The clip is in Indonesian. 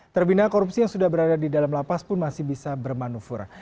terbina korupsi yang sudah berada di dalam lapas pun masih bisa bermanufur